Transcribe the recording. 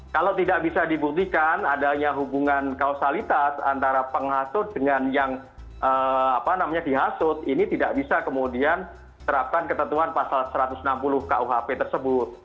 kalau tidak bisa dibuktikan adanya hubungan kausalitas antara penghasut dengan yang dihasut ini tidak bisa kemudian terapkan ketentuan pasal satu ratus enam puluh kuhp tersebut